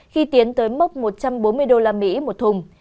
khi tiến tới mốc một trăm bốn mươi đô la mỹ một thùng